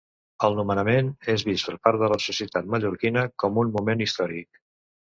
El nomenament és vist per part de la societat mallorquina com un moment històric.